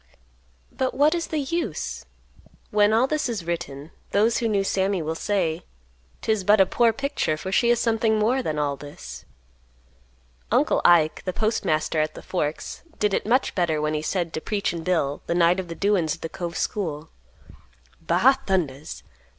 But what is the use? When all this is written, those who knew Sammy will say, "'Tis but a poor picture, for she is something more than all this." Uncle Ike, the postmaster at the Forks, did it much better when he said to "Preachin' Bill," the night of the "Doin's" at the Cove School, "Ba thundas!